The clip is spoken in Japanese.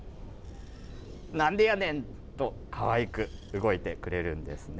なんでやねんと、かわいく動いてくれるんですね。